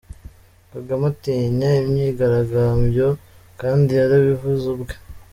Kagame atinya imyigaragambyo kandi yarabivuze ubwe.